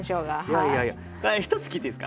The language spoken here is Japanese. はい。